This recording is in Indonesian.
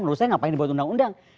menurut saya ngapain dibuat undang undang